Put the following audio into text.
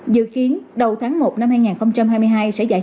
dự kiến đầu tháng một năm hai nghìn hai mươi hai sẽ giải